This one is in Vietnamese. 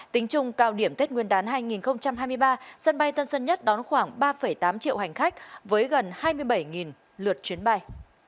tính chung cao điểm tết nguyên đán hai nghìn hai mươi ba sân bay tân sơn nhất đón khoảng ba tám triệu hành khách với gần hai mươi bảy lượt chuyến bay